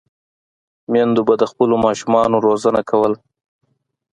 میندو به د خپلو ماشومانو روزنه کوله.